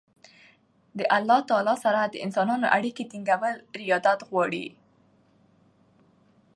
د الله تعالی سره د انسانانو اړیکي ټینګول رياضت غواړي.